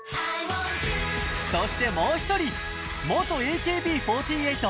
そしてもう１人元ＡＫＢ４８